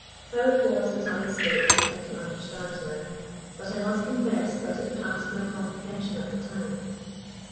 How it was that I escaped I can understand now, but I must confess that it passed my comprehension at the time.